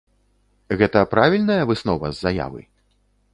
Гэта правільная выснова з заявы?